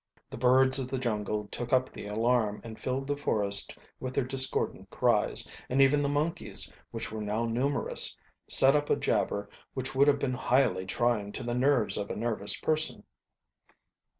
The birds of the jungle took up the alarm and filled the forest with their discordant cries, and even the monkeys, which were now numerous, sit up a jabber which would have been highly trying to the nerves of a nervous person.